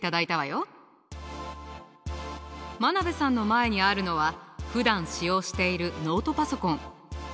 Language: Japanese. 真鍋さんの前にあるのはふだん使用しているノートパソコン。